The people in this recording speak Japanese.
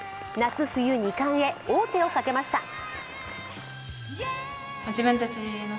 夏冬２冠へ王手をかけました。